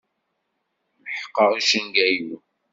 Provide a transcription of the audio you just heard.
Meḥqeɣ icenga-inu.